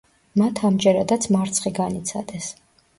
მათ ამჯერადაც მარცხი განიცადეს.